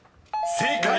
［正解！